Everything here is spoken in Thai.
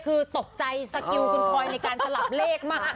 คือตกใจสกิลคุณพลอยในการสลับเลขมาก